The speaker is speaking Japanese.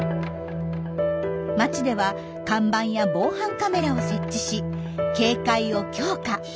町では看板や防犯カメラを設置し警戒を強化。